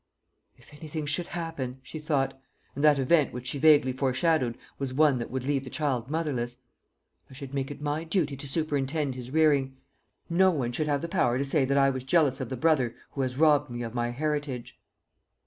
"If anything should happen," she thought and that event which she vaguely foreshadowed was one that would leave the child motherless "I should make it my duty to superintend his rearing. No one should have power to say that I was jealous of the brother who has robbed me of my heritage."